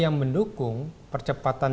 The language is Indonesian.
yang mendukung percepatan